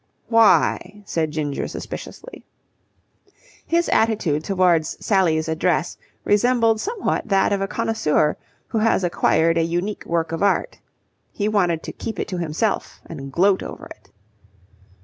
"Why?" said Ginger suspiciously. His attitude towards Sally's address resembled somewhat that of a connoisseur who has acquired a unique work of art. He wanted to keep it to himself and gloat over it.